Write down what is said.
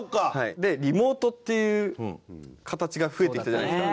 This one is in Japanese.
でリモートっていう形が増えてきたじゃないですか。